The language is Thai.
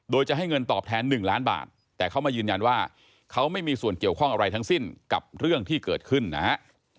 โดยจะให้เงินตอบแทน๑ล้านบาทแต่เขามายืนยันว่าเขาไม่มีส่วนเกี่ยวข้องอะไรทั้งสิ้นกับเรื่องที่เกิดขึ้นนะฮะ